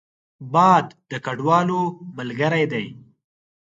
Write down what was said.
باد د کډوالو ملګری دی